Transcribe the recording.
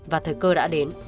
và thời cơ đã đến